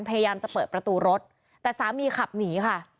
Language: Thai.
พยายามจะเปิดประตูรถแต่สามีขับหนีค่ะ